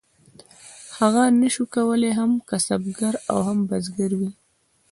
هغه نشو کولی هم کسبګر او هم بزګر وي.